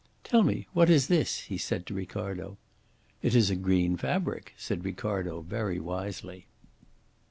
"Tell me, what is this?" he said to Ricardo. "It is a green fabric," said Ricardo very wisely.